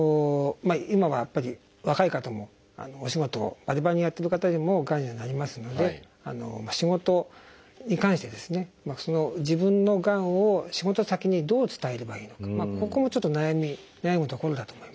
今はやっぱり若い方もお仕事をバリバリにやってる方でもがんにはなりますので仕事に関してですね自分のがんを仕事先にどう伝えればいいのかここもちょっと悩み悩むところだと思いますね。